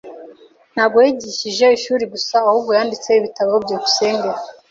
Ntabwo yigishije ishuri gusa, ahubwo yanditse ibitabo. byukusenge